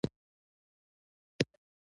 بیږیږې